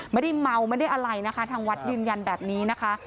ไม่ได้เมาไม่ได้อะไรนะคะทางวัดยืนยันแบบนี้นะคะ